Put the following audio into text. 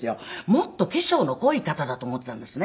もっと化粧の濃い方だと思っていたんですね。